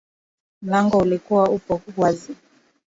Mlango ulikuwa upo wazi